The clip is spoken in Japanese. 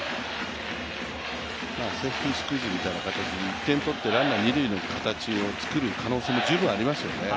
セーフティスクイズみたいな形で、１点取ってランナー、二塁の形をつくる可能性も十分ありますよね。